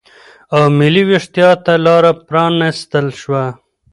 او ملي وېښتیا ته لاره پرا نستل شوه